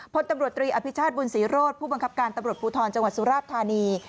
พลตำรวจตรีอภิชาติบุญศรีโรธผู้บังคับการตำรวจภูทรจังหวัดสุราชธานี